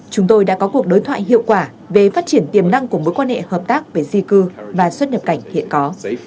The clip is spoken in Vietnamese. chúng tôi đã có cuộc đối thoại hiệu quả về phát triển tiềm năng của mối quan hệ hợp tác về di cư và xuất nhập cảnh hiện có